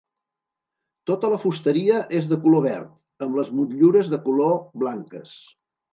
Tota la fusteria és de color verd amb les motllures de color blanques.